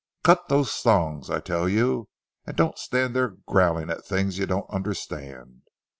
"Cut those thongs, I tell you; and don't stand there growling at things you don't understand."